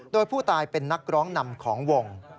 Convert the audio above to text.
โดยผู้ตายเป็นนักร้องนำของวง